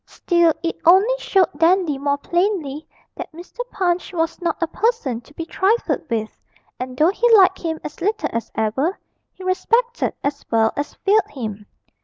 Still it only showed Dandy more plainly that Mr. Punch was not a person to be trifled with, and, though he liked him as little as ever, he respected as well as feared him.